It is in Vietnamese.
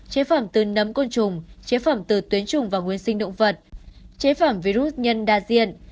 chế phẩm từ nấm côn trùng chế phẩm từ tuyến trùng và nguyên sinh động vật chế phẩm virus nhân đa diện